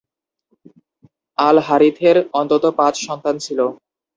আল-হারিথের অন্তত পাঁচ সন্তান ছিল।